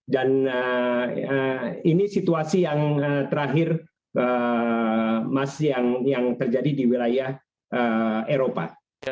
dan ini situasi yang terakhir mas yang terjadi di wilayah eropa